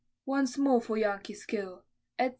once more for Yankee skill, etc.